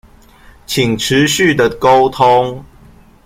請持續的溝通